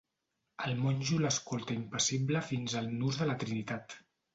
El monjo l'escolta impassible fins al Nus de la Trinitat.